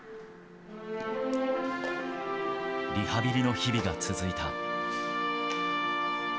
リハビリの日々が続いた。